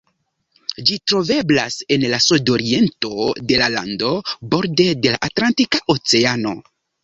Ĝi troveblas en la sudoriento de la lando, borde de la Atlantika Oceano.